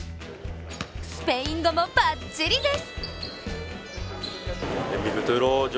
スペイン語もばっちりです。